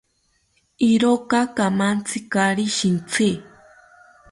Iroka kamantzi kaari shintzi